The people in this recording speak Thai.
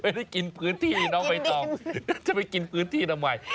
ได้กินพื้นที่น้องใบตองจะไปกินพื้นที่ทำไม